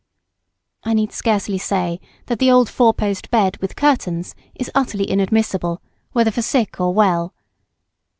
] I need scarcely say that the old four post bed with curtains is utterly inadmissible, whether for sick or well.